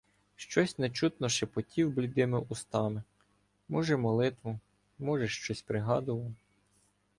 Щось нечутно шепотів блідими устами, може, молитву, може, щось пригадував.